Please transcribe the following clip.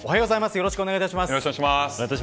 よろしくお願いします。